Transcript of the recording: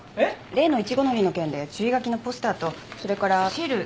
例のいちごのりの件で注意書きのポスターとそれからシール作ったんです。